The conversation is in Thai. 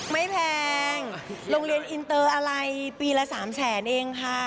แพงโรงเรียนอินเตอร์อะไรปีละ๓แสนเองค่ะ